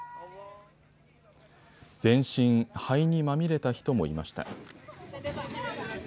全身、灰にまみれた人もいました。